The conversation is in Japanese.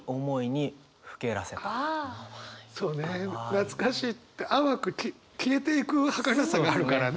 懐かしいって淡く消えていくはかなさがあるからね。